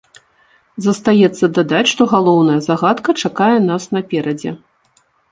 Застаецца дадаць, што галоўная загадка чакае нас наперадзе.